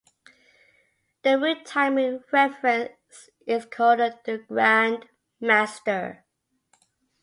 The root timing reference is called the "grandmaster".